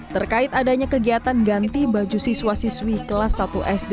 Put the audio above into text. terkait adanya kegiatan ganti baju siswa siswi kelas satu sd